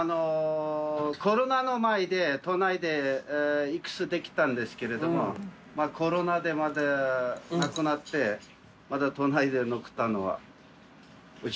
コロナの前で都内でできたんですけれどもまぁコロナでまたなくなってまた都内で残ったのはうち。